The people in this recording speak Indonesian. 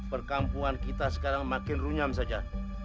perkampungan kita sekarang makin runyam saja